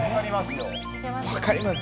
分かります？